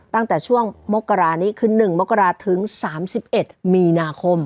ตั้งแต่ช่วงมกรานี้คือ๑มกราศถึง๓๑มีนาคม